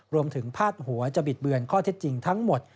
พาดหัวจะบิดเบือนข้อเท็จจริงทั้งหมด